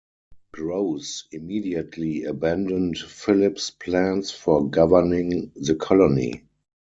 Grose immediately abandoned Phillip's plans for governing the colony.